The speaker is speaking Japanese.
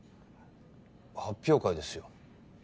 発表会ですよ。